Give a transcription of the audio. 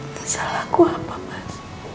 kesal aku apa mas